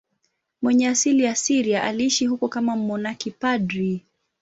Mwenye asili ya Syria, aliishi huko kama mmonaki padri.